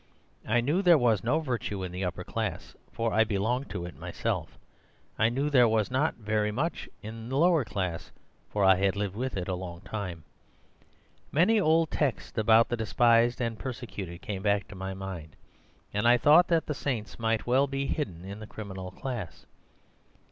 I knew there was no virtue in the upper class, for I belong to it myself; I knew there was not so very much in the lower class, for I had lived with it a long time. Many old texts about the despised and persecuted came back to my mind, and I thought that the saints might well be hidden in the criminal class.